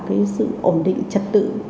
cái sự ổn định trật tự